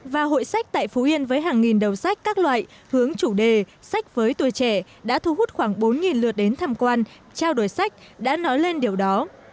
và hội sách tại phú yên với hàng nghìn đầu sách các loại hướng chủ đề sách với tuổi trẻ đã thu hút khoảng bốn lượt đến tham quan trao đổi sách đã nói lên điều đó